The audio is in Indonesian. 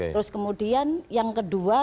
terus kemudian yang kedua